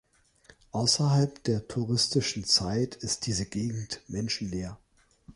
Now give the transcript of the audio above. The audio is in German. Außerhalb der touristischen Zeit ist diese Gegend menschenleer.